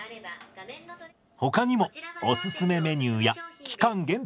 ほかにもおすすめメニューや期間限定メニューの紹介。